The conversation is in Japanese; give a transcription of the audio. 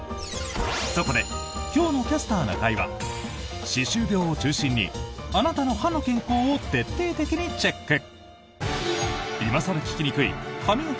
そこで今日の「キャスターな会」は歯周病を中心にあなたの歯の健康を徹底的にチェック！